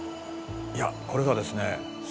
「いやこれがですね